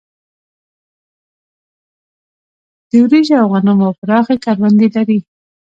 د وريجو او غنمو پراخې کروندې لري.